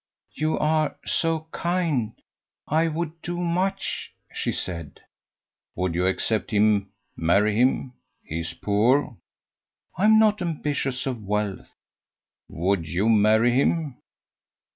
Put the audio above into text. "You are so kind ... I would do much ..." she said. "Would you accept him marry him? He is poor." "I am not ambitious of wealth." "Would you marry him?"